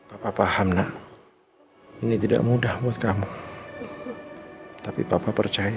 apa apa hamna ini tidak mudah buat kamu tapi papa percaya